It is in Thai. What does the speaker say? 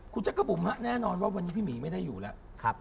คุณจักรบุ๋มฮะแน่นอนว่าวันนี้พี่หมีไม่ได้อยู่แล้ว